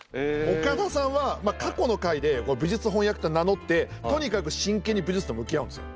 岡田さんは過去の回で武術翻訳家と名乗ってとにかく真剣に武術と向き合うんですよ。